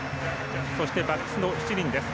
そして、バックスの７人です。